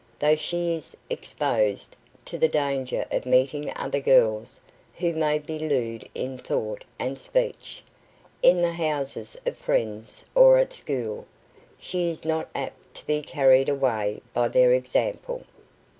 Though she is exposed to the danger of meeting other girls who may be lewd in thought and speech, in the houses of friends or at school, she is not apt to be carried away by their example.